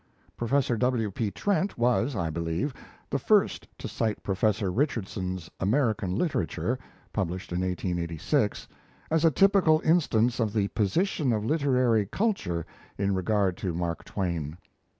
Professor W. P. Trent was, I believe, the first to cite Professor Richardson's American Literature (published in 1886) as a typical instance of the position of literary culture in regard to Mark Twain.